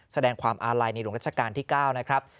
แสดงความอาลัยในหลวงรัชกาลที่๙นะครับ